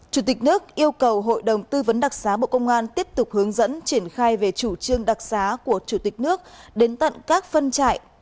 chủ tịch nước yêu cầu hội đồng tư vấn đặc xá bộ công an tiếp tục hướng dẫn triển khai về chủ trương đặc xá của chủ tịch nước đến tận các phân trại